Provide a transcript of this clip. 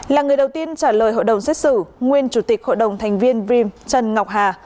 là người đầu tiên trả lời hội đồng xét xử nguyên chủ tịch hội đồng thành viên dream trần ngọc hà